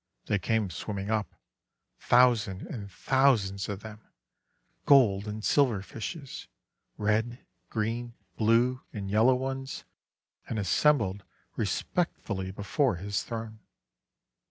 They came swimming up, thousand and thou sands of them, gold and silver fishes, red, green, blue, and yellow ones, and assembled respect fully before his throne.